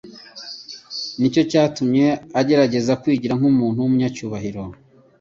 nicyo cyatumye agerageza kwigira nk'?umutu w'umunyacyubahiro,